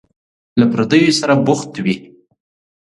له پردیو سره بوخت وي.